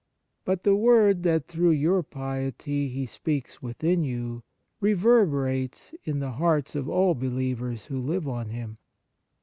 But the word that through your piety He speaks within you rever berates in the hearts of all believers who live on Him.